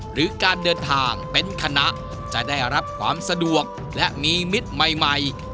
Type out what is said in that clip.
หรือการเดินทางเป็นคณะจะได้รับความสะดวกและมีมิตรใหม่